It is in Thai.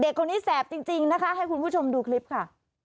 คนนี้แสบจริงนะคะให้คุณผู้ชมดูคลิปค่ะ